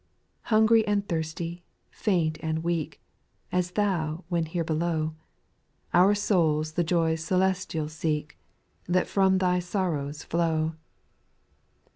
2. Hungry and thirsty, faint and weak, (As Thou when here below,) Qur souls the joys celestial seek, That from Thy sorrows flow.